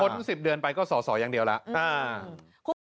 พอพ้น๑๐เดือนไปก็สออย่างเดียวแล้ว